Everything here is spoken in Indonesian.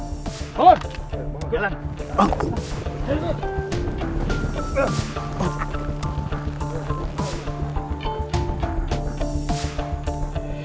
ya allah gue sampai lupa ada acara makan malam sama om irfan